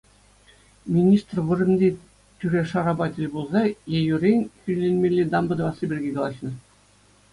Министр вырӑнти тӳре-шарапа тӗл пулса ейӳрен хӳтӗленмелли дамба тӑвасси пирки калаҫнӑ.